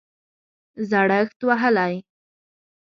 زړښت وهلی